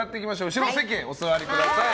後ろの席へお座りください。